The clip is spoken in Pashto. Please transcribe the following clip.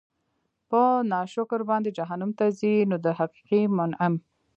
په ناشکر باندي جهنّم ته ځي؛ نو د حقيقي مُنعِم